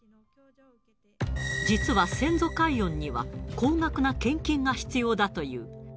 実は、先祖解怨には高額な献金が必要だという。